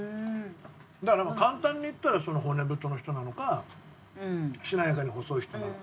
だから簡単に言ったら骨太の人なのかしなやかに細い人なのか。